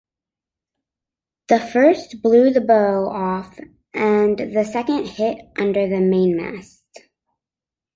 The first blew the bow off and the second hit under the mainmast.